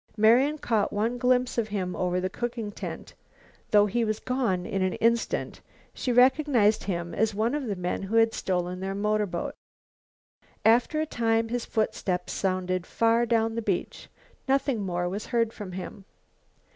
Marian caught one glimpse of him over the cooking tent. Though he was gone in an instant, she recognized him as one of the men who had stolen their motorboat. After a time his footsteps sounded far down the beach. Nothing more was heard from him.